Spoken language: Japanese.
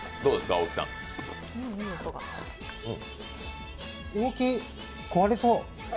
大木、壊れそう。